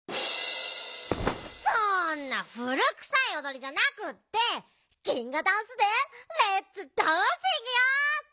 そんな古くさいおどりじゃなくってギンガダンスでレッツダンシングよ！